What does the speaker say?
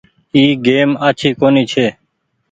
اي گئيم آڇي ڪونيٚ ڇي۔